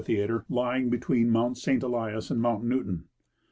147 theatre lying between Mount St. Elias and Motint Newton.